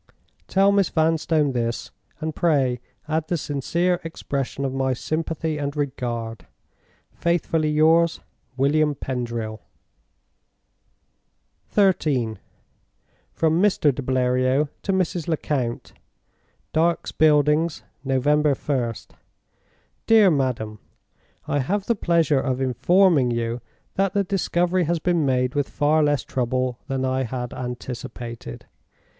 Tell Miss Vanstone this, and pray add the sincere expression of my sympathy and regard. "Faithfully yours, "WILLIAM PENDRIL." XIII. From Mr. de Bleriot to Mrs. Lecount. "Dark's Buildings. November 1st. "DEAR MADAM, "I have the pleasure of informing you that the discovery has been made with far less trouble than I had anticipated.